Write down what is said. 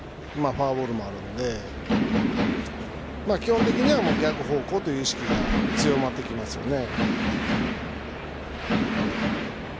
フォアボールもあるので基本的には逆方向の意識が強まりますね。